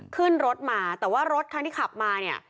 ขึ้นรถมาแต่ว่ารถคันที่ขับมาเนี่ย